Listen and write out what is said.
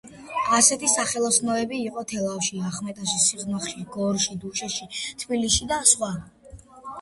ასეთი სახელოსნოები იყო თელავში, ახმეტაში, სიღნაღში, გორში, დუშეთში, თბილისში და სხვა.